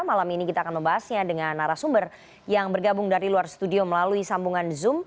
malam ini kita akan membahasnya dengan narasumber yang bergabung dari luar studio melalui sambungan zoom